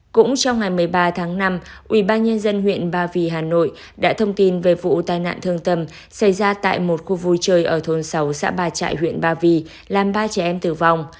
cũng trong ngày một mươi ba tháng năm ubnd huyện ba vì hà nội đã thông tin về vụ tai nạn thương tâm xảy ra tại một khu vui chơi ở thôn sáu xã ba trại huyện ba vì làm ba trẻ em tử vong